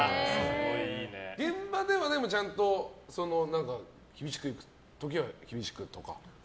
現場ではちゃんと厳しくいく時は厳しくとか。